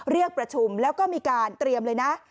เรียกประชุมแล้วก็มีการเตรียมเลยนะ